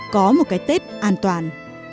có một cái tết an toàn